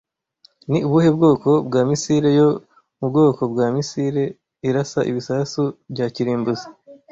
Ni ubuhe bwoko bwa misile yo mu bwoko bwa misile irasa ibisasu bya kirimbuzi